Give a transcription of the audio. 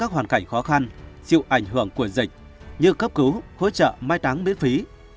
hoàn cảnh khó khăn chịu ảnh hưởng của dịch như cấp cứu hỗ trợ mai táng miễn phí